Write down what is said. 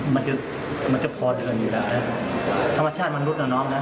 มันจะมันจะพอเดินอยู่ได้นะธรรมชาติมนุษย์นะน้องนะ